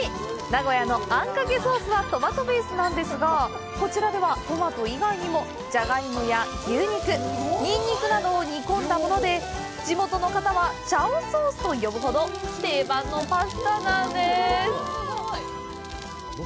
名古屋のあんかけソースはトマトベースなんですが、こちらでは、トマト以外にもジャガイモや牛肉、ニンニクなどを煮込んだもので、地元の方はチャオソースと呼ぶほど定番のパスタなんです。